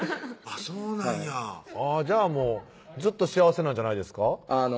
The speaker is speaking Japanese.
そうなんやじゃあもうずっと幸せなんじゃないですか？